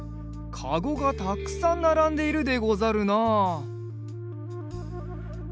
かごがたくさんならんでいるでござるな。